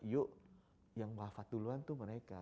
yuk yang wafat duluan tuh mereka